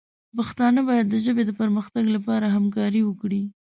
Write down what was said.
پښتانه باید د ژبې د پرمختګ لپاره همکاري وکړي.